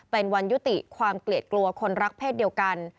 เป็นวันยุติความเกลียดกลัวคนรักเพศเดียวกัน